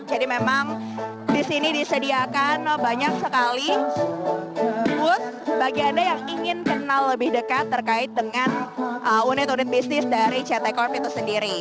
jadi memang disini disediakan banyak sekali booth bagi anda yang ingin kenal lebih dekat terkait dengan unit unit bisnis dari ct corp itu sendiri